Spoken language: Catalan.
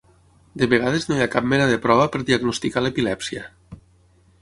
De vegades no hi ha cap mena de prova per diagnosticar l'epilèpsia.